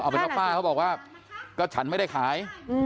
เป็นว่าป้าเขาบอกว่าก็ฉันไม่ได้ขาย